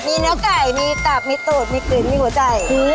มีเนื้อไก่มีตับมีตูดมีกลิ่นมีหัวใจ